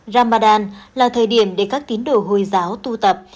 ramadan là thời điểm để các tín đồ hồi giáo tu tập